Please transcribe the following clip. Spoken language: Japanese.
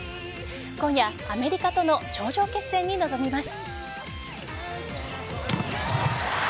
今夜、アメリカとの頂上決戦に臨みます。